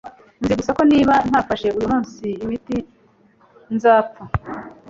Nzi gusa ko niba ntafashe uyu munsi imiti, nzapfa